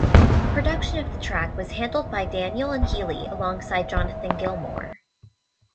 Production of the track was handled by Daniel and Healy alongside Jonathan Gilmore.